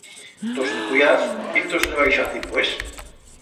Tos ne puyaz y tos ne baixaz dimpués.